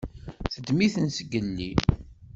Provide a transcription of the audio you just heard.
Teddem-iten zgelli.